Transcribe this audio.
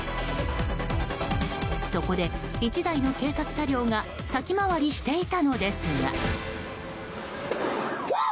そこで、１台の警察車両が先回りしていたのですが。